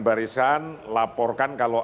barisan laporkan kalau